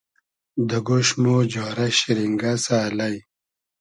دۂ گۉش مۉ جارۂ شیرینگئسۂ الݷ